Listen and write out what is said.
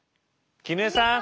絹枝さん。